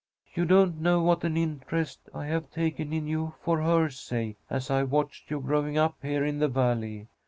You don't know what an interest I have taken in you for her sake, as I've watched you growing up here in the Valley.